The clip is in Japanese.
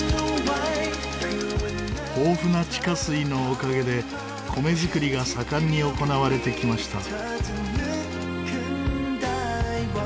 豊富な地下水のおかげで米作りが盛んに行われてきました。